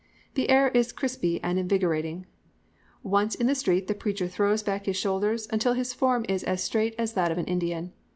The air is crispy and invigorating. Once in the street the preacher throws back his shoulders until his form is as straight as that of an Indian.